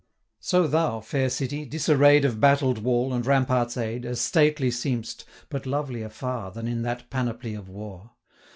So thou, fair City! disarray'd Of battled wall, and rampart's aid, 90 As stately seem'st, but lovelier far Than in that panoply of war.